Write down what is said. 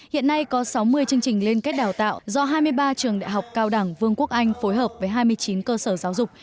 hiện nay có sáu mươi chương trình liên kết đào tạo do hai mươi ba trường đại học cao đẳng vương quốc anh phối hợp với hai mươi chín cơ sở giáo dục